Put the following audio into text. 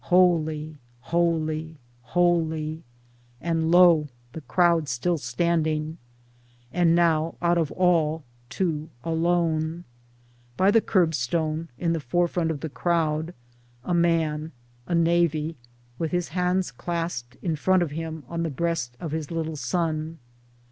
Holy! holy! holy! And lo ! the crowd still standing. And now out of all two alone. By the curbstone, in the forefront of the crowd, a man — a navvy — with his hands clasped in front of him on the breast of his little son